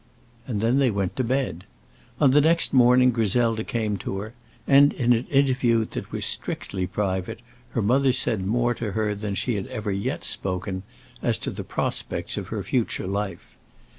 And then they went to bed. On the next morning Griselda came to her, and in an interview that was strictly private, her mother said more to her than she had ever yet spoken, as to the prospects of her future life.